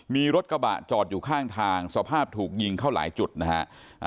มีรถกระบะจอดอยู่ข้างทางสภาพถูกยิงเข้าหลายจุดนะฮะ